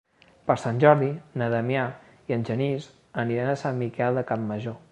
Per Sant Jordi na Damià i en Genís aniran a Sant Miquel de Campmajor.